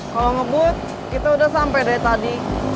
kalau ngebut kita udah sampai dari tadi